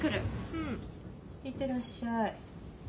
うん行ってらっしゃい。